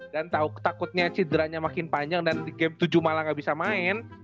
dan takutnya cedera nya makin panjang dan di game tujuh malah gak bisa main